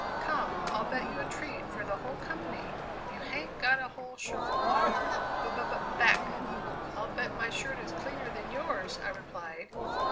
Come, I'll bet you a treat for the whole company you hain't got a whole shirt on your b b b back!" "I'll bet my shirt is cleaner than yours," I replied.